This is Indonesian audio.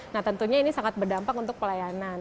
nah tentunya ini sangat berdampak untuk pelayanan